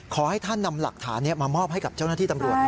ขอให้ท่านนำหลักฐานมามอบให้กับเจ้าหน้าที่ตำรวจ